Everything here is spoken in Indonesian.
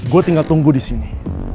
gua tinggal tunggu disini